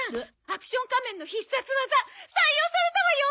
アクション仮面の必殺技採用されたわよ。